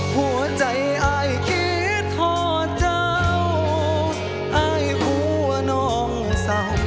หัวใจอายคิดหอดเจ้าอายหัวน้องเศร้า